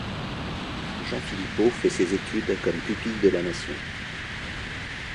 Jean Philippot fait ses études comme pupille de la Nation.